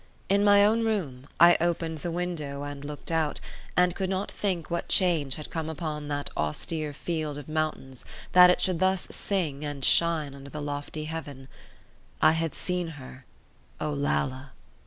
In my own room, I opened the window and looked out, and could not think what change had come upon that austere field of mountains that it should thus sing and shine under the lofty heaven. I had seen her—Olalla!